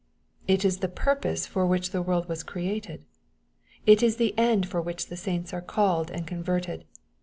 It is the purpose for which the world was created. It is the end for which the saints are called and con verted.